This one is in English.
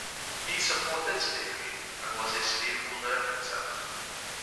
He supported slavery and was a slaveholder himself.